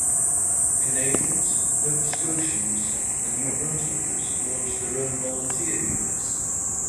Canadians, Nova Scotians, and New Bruswickers launched their own volunteer units.